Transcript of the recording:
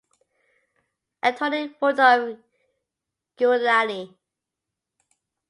Attorney Rudolph Giuliani.